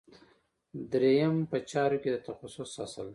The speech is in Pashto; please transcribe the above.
دریم په چارو کې د تخصص اصل دی.